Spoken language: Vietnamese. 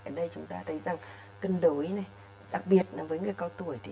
ở đây chúng ta thấy rằng cân đối đặc biệt với người cao tuổi